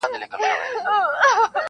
زه چي هر عمل کوم ورته مجبور یم-